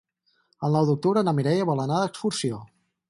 El nou d'octubre na Mireia vol anar d'excursió.